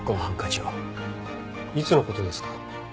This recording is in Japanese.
いつの事ですか？